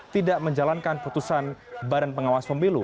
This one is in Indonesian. tidak menjalankan putusan badan pengawas pemilu